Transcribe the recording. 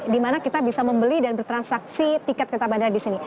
di mana kita bisa membeli dan bertransaksi tiket kereta bandara di sini